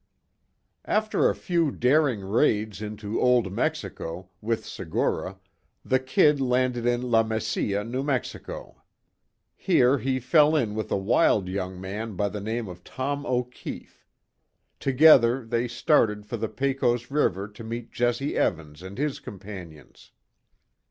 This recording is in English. After a few daring raids into Old Mexico, with Segura, the "Kid" landed in La Mesilla, New Mexico. Here he fell in with a wild young man by the name of Tom O'Keefe. Together, they started for the Pecos river to meet Jesse Evans and his companions.